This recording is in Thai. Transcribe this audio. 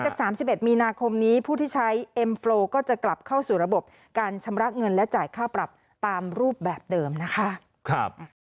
อาจจะต้องมีข้อมูลเรื่องของการชำระเงินอะไรพวกนี้นะครับ